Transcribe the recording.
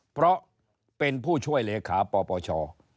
เพราะเป็นผู้ช่วยเลขาปปช